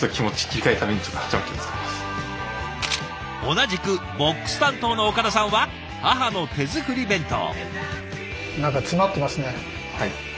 同じくＢＯＸ担当の岡田さんは母の手作り弁当。